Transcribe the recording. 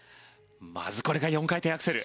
まずこれが４回転アクセル。